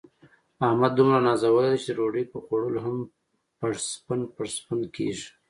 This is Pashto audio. احمد دومره نازولی دی، چې د ډوډۍ په خوړلو هم پړسپن پړسپن کېږي.